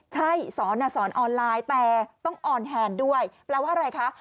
ใช่สอนสอนออนไลน์แต่ต้องออนแฮนด์ด้วยแปลว่าอะไรคะ